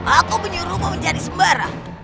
aku menyuruhmu menjadi sembarang